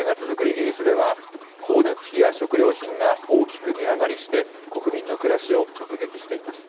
イギリスでは、光熱費や食料品が大きく値上がりして、国民の暮らしを直撃しています。